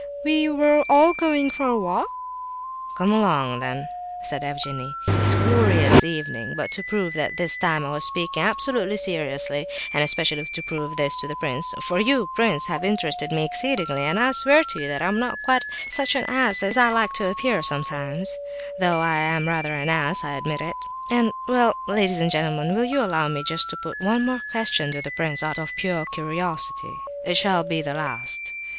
"We were all going for a walk—" "Come along then," said Evgenie; "it's a glorious evening. But, to prove that this time I was speaking absolutely seriously, and especially to prove this to the prince (for you, prince, have interested me exceedingly, and I swear to you that I am not quite such an ass as I like to appear sometimes, although I am rather an ass, I admit), and—well, ladies and gentlemen, will you allow me to put just one more question to the prince, out of pure curiosity? It shall be the last.